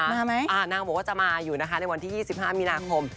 มาไหมนางบอกว่าจะมาอยู่นะคะในวันที่๒๕มีนาคม